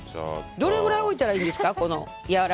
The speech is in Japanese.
どれくらい置いたらいいんですか？